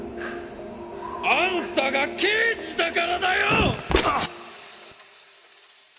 あんたが刑事だからだよ！